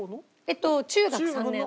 えっと中学３年。